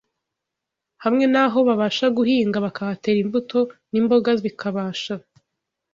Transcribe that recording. hamwe n’aho babasha guhinga, bakahatera imbuto n’imboga bikabasha